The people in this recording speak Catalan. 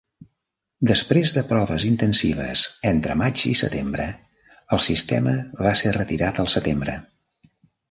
Després de proves intensives entre maig i setembre, el sistema va ser retirat al setembre.